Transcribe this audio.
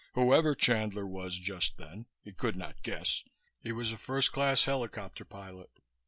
Whoever Chandler was just then he could not guess he was a first class helicopter pilot.